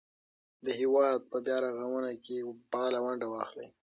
د هېواد په بیا رغونه کې فعاله ونډه واخلئ.